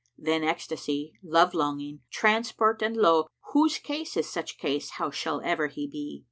Then ecstasy, love longing, transport and lowe! * Whose case is such case how shall ever he be?"